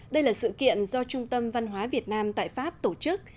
đây là sự kiện do trung tâm văn hóa việt nam tại pháp tổ chức